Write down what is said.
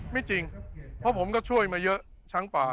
ไม่จริงเพราะผมก็ช่วยมาเยอะช้างป่า